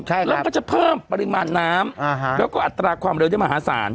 แล้วก็จะเพิ่มปริมาณน้ำแล้วก็อัตราความเร็วได้มหาศาล